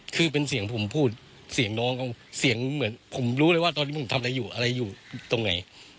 คือเป็นเสียงผมพูดเสียงน้องเสียงเหมือนผมรู้เลยว่าตอนนี้ผมทำอะไรอยู่อะไรอยู่ตรงไหน